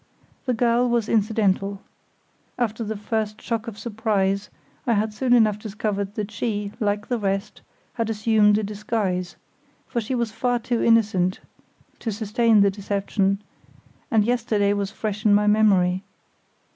The girl was incidental. After the first shock of surprise I had soon enough discovered that she, like the rest, had assumed a disguise; for she was far too innocent to sustain the deception; and yesterday was fresh in my memory.